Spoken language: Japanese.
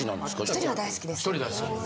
１人は大好きです。